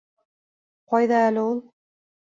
Ҡайҙа әле ул?